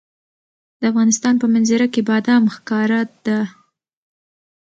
د افغانستان په منظره کې بادام ښکاره ده.